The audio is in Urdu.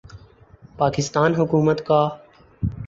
پاکستان حکومت کا